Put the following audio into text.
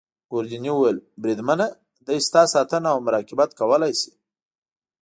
ګوردیني وویل: بریدمنه دی ستا ساتنه او مراقبت کولای شي.